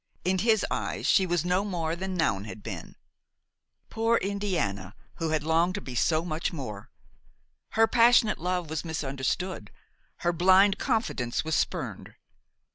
In his eyes she was no more than Noun had been. Poor Indiana! who longed to be so much more! Her passionate love was misunderstood, her blind confidence was spurned.